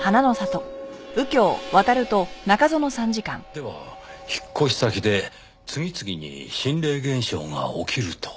では引っ越し先で次々に心霊現象が起きると。